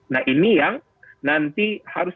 nah ini yang nanti harus